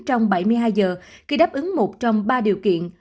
trong bảy mươi hai giờ khi đáp ứng một trong ba điều kiện